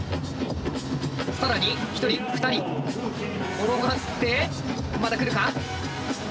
更に１人２人転がってまた来るか？